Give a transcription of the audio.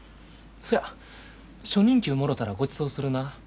そや初任給もろたらごちそうするな。